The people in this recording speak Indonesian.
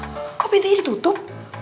bu kok bti ditutup